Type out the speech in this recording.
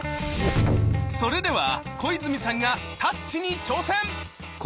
それでは小泉さんが「タッチ」に挑戦！